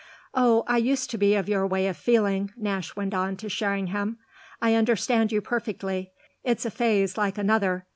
"Oh I used to be of your way of feeling," Nash went on to Sherringham. "I understand you perfectly. It's a phase like another.